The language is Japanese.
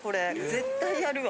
絶対やるわ。